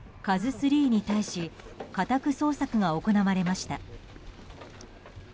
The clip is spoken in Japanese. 「ＫＡＺＵ３」に対し家宅捜索が行われました。